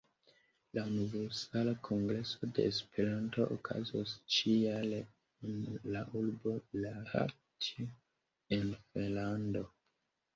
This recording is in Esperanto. La Universala Kongreso de Esperanto okazos ĉi-jare en la urbo Lahtio en Finnlando.